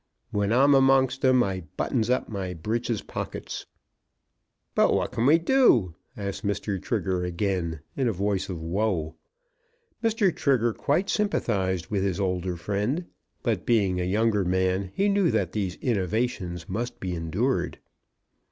When I'm among 'em I buttons up my breeches pockets." "But what can we do?" asked Mr. Trigger again, in a voice of woe. Mr. Trigger quite sympathised with his elder friend; but, being a younger man, he knew that these innovations must be endured.